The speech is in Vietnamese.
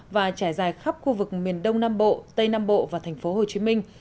và trải dài khắp khu vực miền đông nam bộ tây nam bộ và thành phố hồ chí minh